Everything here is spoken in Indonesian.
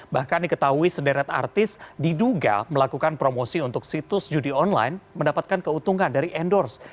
bahkan diketahui sederet artis diduga melakukan promosi untuk situs judi online mendapatkan keuntungan dari endorse